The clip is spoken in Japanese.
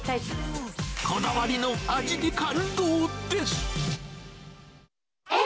こだわりの味に感動です。